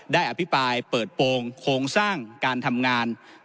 อภิปรายเปิดโปรงโครงสร้างการทำงาน